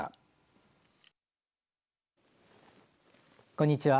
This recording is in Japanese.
こんにちは。